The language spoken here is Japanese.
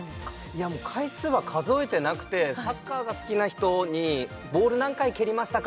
いやもう回数は数えてなくてサッカーが好きな人にボール何回蹴りましたか？